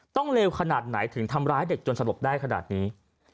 เลวขนาดไหนถึงทำร้ายเด็กจนสลบได้ขนาดนี้